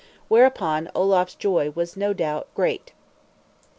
Whereupon Olaf's joy was no doubt great.